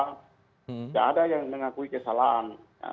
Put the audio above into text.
tidak ada yang mengakui kesalahan